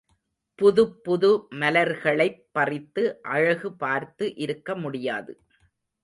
புதுப் புது மலர்களைப் பறித்து அழகு பார்த்து இருக்க முடியாது.